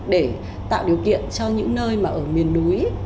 để tạo điều kiện cho những nơi mà ở miền núi